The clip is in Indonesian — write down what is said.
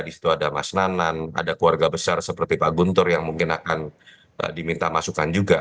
di situ ada mas nanan ada keluarga besar seperti pak guntur yang mungkin akan diminta masukan juga